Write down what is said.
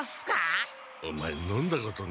オマエ飲んだことないのか？